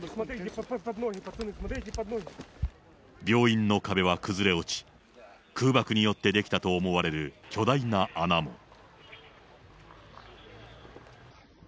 病院の壁は崩れ落ち、空爆によって出来たと思われる巨大な穴も。